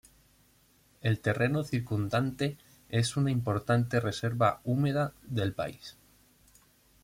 El terreno circundante es una importante reserva húmeda del país.